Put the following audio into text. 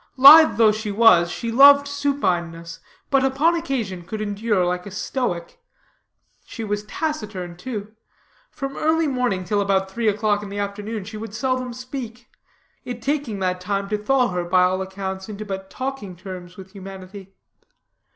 Lithe though she was, she loved supineness, but upon occasion could endure like a stoic. She was taciturn, too. From early morning till about three o'clock in the afternoon she would seldom speak it taking that time to thaw her, by all accounts, into but talking terms with humanity.